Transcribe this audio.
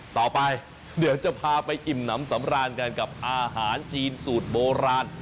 ต่อไปเดี๋ยวจะพาไปอิ่มน้ำสำราญกันกับอาหารจีนสูตรโบราณ